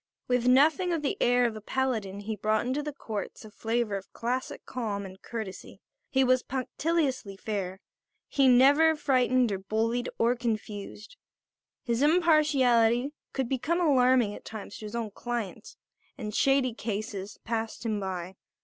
With nothing of the air of a paladin he brought into the courts a flavour of classic calm and courtesy. He was punctiliously fair. He never frightened or bullied or confused. His impartiality could become alarming at times to his own clients, and shady cases passed him by.